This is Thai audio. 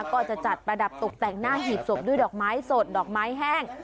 ก็จะจัดประดับตกแต่งหน้าหีบศพด้วยดอกไม้สดดอกไม้แห้ง